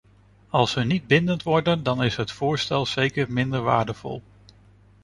Als ze niet bindend worden, dan is het voorstel zeker minder waardevol.